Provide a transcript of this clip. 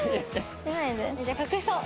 じゃあ隠そう！